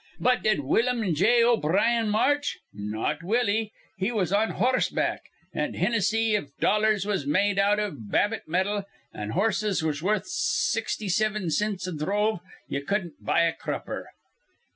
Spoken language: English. But did Willum J. O'Brien march? Not Willie. He was on horseback; an', Hinnissy, if dollars was made out iv Babbit metal, an' horses was worth sixty sivin cints a dhrove, ye cudden't buy a crupper."